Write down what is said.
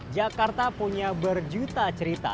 jakarta punya berjuta cerita